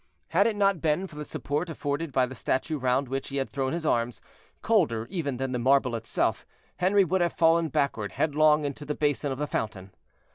Had it not been for the support afforded by the statue round which he had thrown his arms, colder even than the marble itself, Henri would have fallen backward headlong into the basin of the fountain.